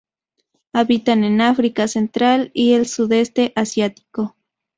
Habitan en África central y el Sudeste asiático.